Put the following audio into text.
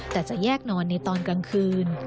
แต่จะแยกนอนในตอนกลางคืน